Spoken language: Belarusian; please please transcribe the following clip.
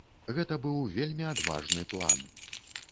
Гэты быў вельмі адважны план.